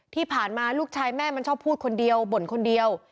ที่ผ่านมาลูกชายแม่มันชอบพูดคนเดียวบ่นคนเดียว